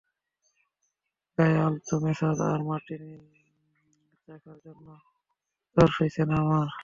গায়ে আলতো ম্যাসাজ আর মার্টিনি চাখার জন্য তর সইছে না আমার!